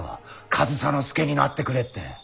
上総介になってくれって。